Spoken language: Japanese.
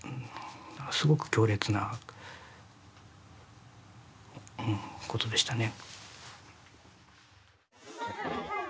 すごく強烈なことでしたね。